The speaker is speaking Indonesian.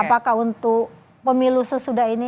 apakah untuk pemilu sesudah ini